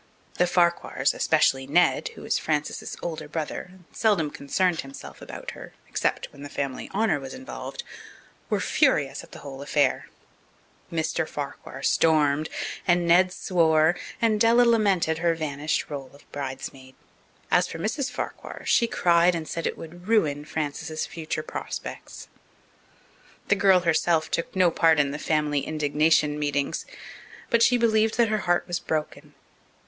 The Farquhars, especially Ned, who was Frances's older brother and seldom concerned himself about her except when the family honour was involved, were furious at the whole affair. Mr. Farquhar stormed, and Ned swore, and Della lamented her vanished role of bridemaid. As for Mrs. Farquhar, she cried and said it would ruin Frances's future prospects. The girl herself took no part in the family indignation meetings. But she believed that her heart was broken.